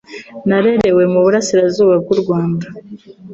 Narerewe mu burasirazuba bw’urwanda.